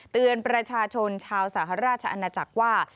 เตือนประชาชนชาวสหราชอาณาจักรว่า